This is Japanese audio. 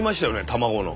卵の。